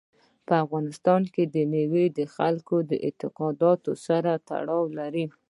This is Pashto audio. په افغانستان کې مېوې د خلکو د اعتقاداتو سره تړاو لري.